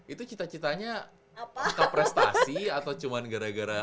itu cita citanya suka prestasi atau cuma gara gara